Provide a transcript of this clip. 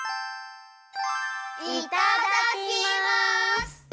いただきます！